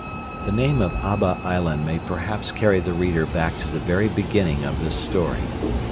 The name of Abba Island may perhaps carry the reader back to the very beginning of this story.